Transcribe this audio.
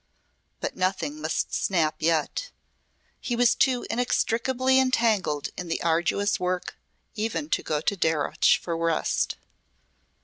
But nothing must snap yet. He was too inextricably entangled in the arduous work even to go to Darreuch for rest.